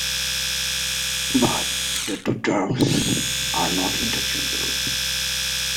But the two terms are not interchangeable.